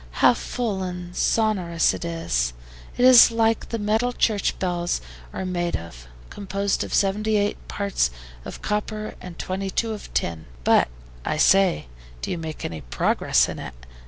"How full and sonorous it is! It is like the metal church bells are made of composed of seventy eight parts of copper and twenty two of tin." "But, I say, do you make any progress in it?"